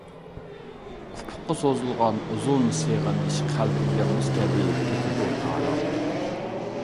ئۇپۇققا سوزۇلغان ئۇزۇن سېغىنىش، قەلبىمگە مۇز كەبى كېتىدۇ تاراپ.